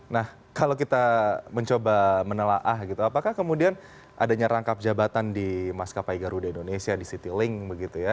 nah kalau kita mencoba menelaah gitu apakah kemudian adanya rangkap jabatan di maskapai garuda indonesia di citylink begitu ya